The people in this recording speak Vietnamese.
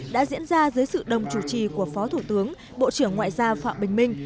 đã diễn ra dưới sự đồng chủ trì của phó thủ tướng bộ trưởng ngoại giao phạm bình minh